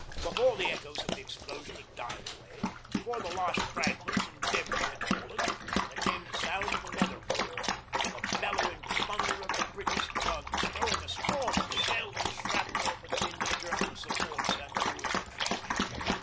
Before the echoes of the explosion had died away, before the last fragments and debris had fallen, there came the sound of another roar, the bellowing thunder of the British guns throwing a storm of shell and shrapnel between the German supports and the ruined trench.